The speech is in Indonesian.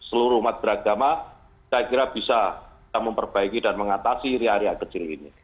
kita seluruh umat beragama saya kira bisa memperbaiki dan mengatasi di area area kecil ini